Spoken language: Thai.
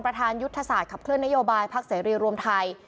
ประธานยุทธศาสตร์ขับเคลื่อนนโยบายพักเสรีรวมไทย